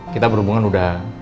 kita berhubungan udah